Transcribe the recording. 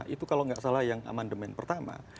itu kalau nggak salah yang amandemen pertama